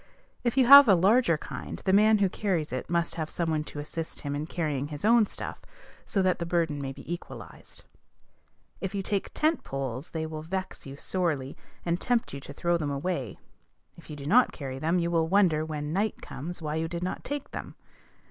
If you have a larger kind, the man who carries it must have some one to assist him in carrying his own stuff, so that the burden may be equalized. If you take tent poles, they will vex you sorely, and tempt you to throw them away: if you do not carry them, you will wonder when night comes why you did not take them.